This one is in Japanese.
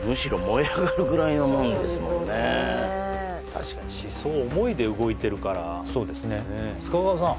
確かに思想思いで動いてるからそうですね須賀川さん